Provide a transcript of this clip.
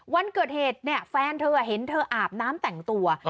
วันเกิดเหตุเนี่ยแฟนเธอเห็นเธออาบน้ำแต่งตัว